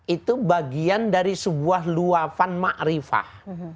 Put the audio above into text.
itu bagian dari sebuah luafan ma'rifah